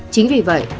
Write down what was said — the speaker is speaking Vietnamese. chính vì vậy